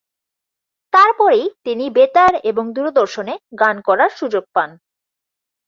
তারপরেই তিনি বেতার এবং দূরদর্শনে গান করার সুযোগ পান।